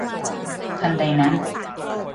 ทันใดนั้น !